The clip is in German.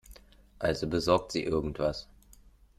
Also besorgt sie irgendwas.